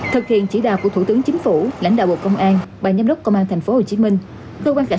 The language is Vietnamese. thực hiện chỉ đạo của thủ tướng chính phủ lãnh đạo bộ công an